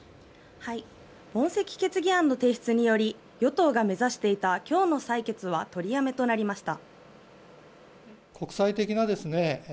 問責決議案の提出により与党が目指していた今日の採決は取りやめとなりました。